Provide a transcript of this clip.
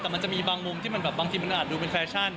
แต่มันจะมีบางมุมที่มันแบบบางทีมันอาจดูเป็นแฟชั่น